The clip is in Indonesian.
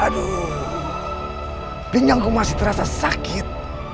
aduh pinjangku masih terasa sakit